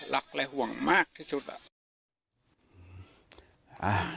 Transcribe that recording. รักห่วงมากกว่านี้